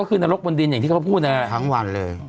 ก็คือนรกบนดินอย่างที่เขาพูดนั่นแหละทั้งวันเลย